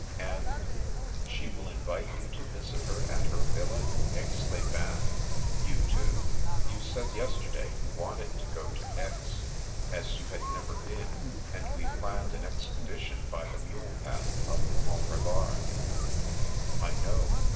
" And — she will invite you to visit her at her villa in Aix les Bains." " You, too. You said yesterday you wanted to go to Aix, as you had never been ; and we planned an expedition by the mule path up Mont Revard." " I know.